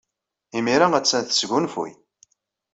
Imir-a, attan tesgunfuy.